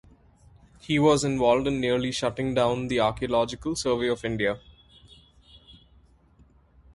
He was involved in nearly shutting down the Archaeological Survey of India.